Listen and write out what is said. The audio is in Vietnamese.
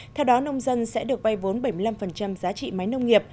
theo đó nông dân sẽ được vay vốn bảy mươi năm giá trị máy nông nghiệp